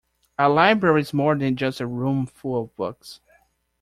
A library is more than just a room full of books